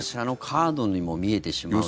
カードにも見えてしまうような。